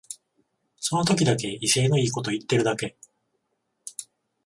その時だけ威勢のいいこと言ってるだけ